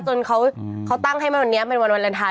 จนเขาตั้งให้มันวันนี้เป็นวันวาเลนไทย